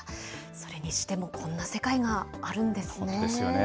それにしてもこんな世界があるんですね。